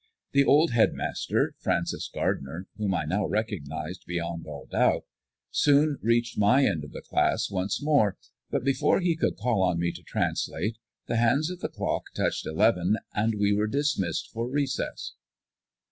The old head master, Francis Gardner, whom I now recognized beyond all doubt, soon reached my end of the class once more, but before he could call on me to translate, the hands of the clock touched eleven, and we were dismissed for recess.